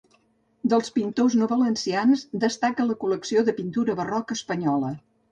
Dels pintors no valencians destaca la col·lecció de pintura barroca espanyola.